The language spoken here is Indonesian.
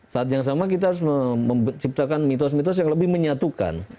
saat yang sama kita harus menciptakan mitos mitos yang lebih menyatukan